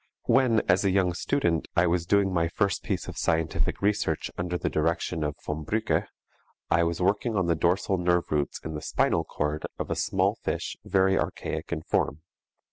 When, as a young student, I was doing my first piece of scientific research under the direction of von Brücke, I was working on the dorsal nerve roots in the spinal cord of a small fish very archaic in form.